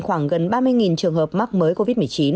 khoảng gần ba mươi trường hợp mắc mới covid một mươi chín